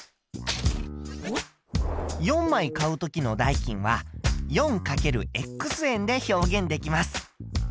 ４枚買う時の代金は４×円で表現できます。